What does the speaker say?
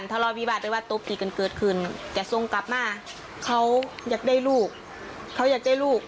ต้องกลับมาเขาอยากได้ลูก